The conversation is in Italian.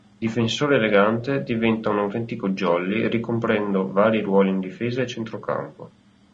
Difensore elegante, diventa un autentico "jolly" ricoprendo vari ruoli in difesa e centrocampo.